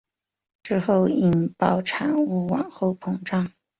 之后引爆产物往后膨胀。